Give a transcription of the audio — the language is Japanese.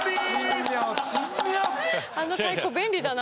あの太鼓便利だな。